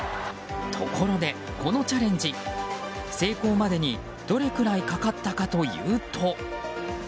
ところで、このチャレンジ成功までにどれくらいかかったかというと。